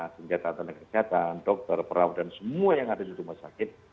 senjata tanah kesehatan dokter perawatan semua yang ada di rumah sakit